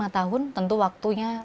lima tahun tentu waktunya